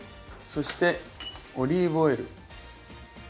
そしてオリーブオイル。